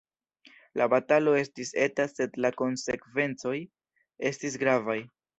La batalo estis eta sed la konsekvencoj estis gravaj.